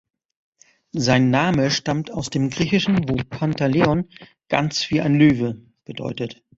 Sein Name stammt aus dem Griechischen, wo Pantaleon «ganz wie ein Löwe» bedeutet.